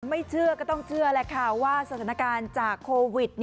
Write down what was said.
ไม่เชื่อก็ต้องเชื่อแหละค่ะว่าสถานการณ์จากโควิด